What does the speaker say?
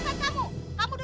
ada tanggal narik dulu